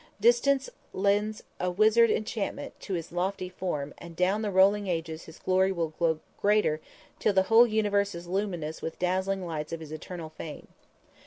Distance lends a wizard enchantment to his lofty form and down the rolling ages his glory will grow greater until the whole universe is luminous with the dazzling lights of his eternal fame.